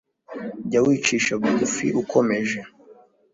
jya wicisha bugufi ukomeje